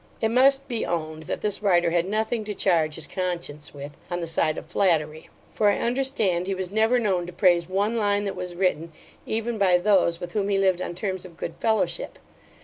It must be owned, that this writer had nothing to charge his conscience with, on the side of flattery; for I understand, he was never known to praise one line that was written, even by those with whom he lived on terms of good fellowship.